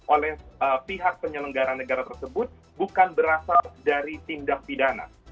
oleh pihak penyelenggara negara tersebut bukan berasal dari tindak pidana